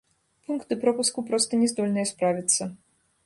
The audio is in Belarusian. Пункты пропуску проста не здольныя справіцца.